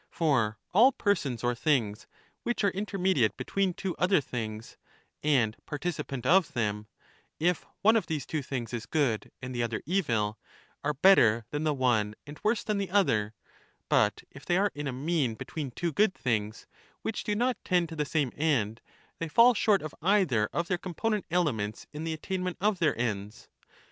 For all persons or things, which are intermediate between two other things, and partici pant of them — if one of these two things is good and the other evil, are better than the one and worse than the other ; but if they are in a mean between two good things which do not tend to the same end, they fall short of either of their component elements in the attainment of their ends.